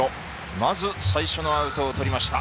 まず最初のアウトとりました。